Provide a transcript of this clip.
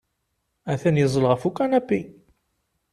Atan yeẓẓel ɣef ukanapi.